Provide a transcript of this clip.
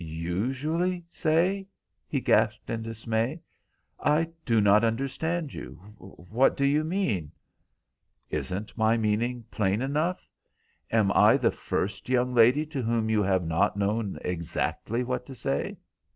"Usually say?" he gasped in dismay. "I do not understand you. What do you mean?" "Isn't my meaning plain enough? Am I the first young lady to whom you have not known exactly what to say?"